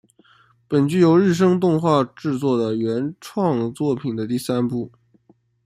本剧由日升动画制作的原创作品的第三部。